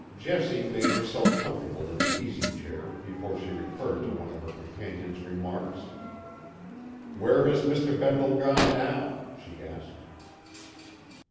Jessie made herself comfortable in an easy chair, before she referred to one of her companion's remarks. "Where has Mr. Bendle gone now?" she asked.